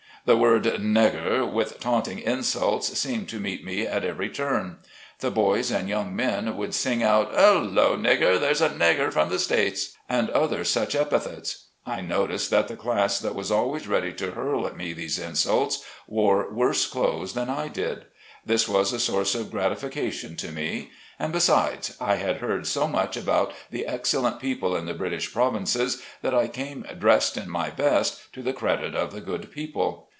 The word "negger", with taunting insults, seemed to meet me at every turn. The boys and young men would sing out, " Hello, negger. There's a negger from the States," and other such epithets. I noticed that the class that was always ready to hurl at me these insults wore worse clothes than I did. This was a source of gratification to me. And besides, I had heard so much about the excellent people in the British Provinces that I came dressed in my best, to the credit of the good people.